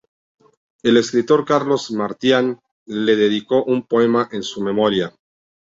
El escritor Carlos Martian le dedicó un poema en su memoria.